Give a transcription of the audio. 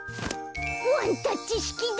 ワンタッチしきだ！